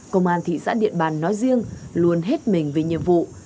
công an thị xã điện bàn nói riêng luôn hết mình về nhiệm vụ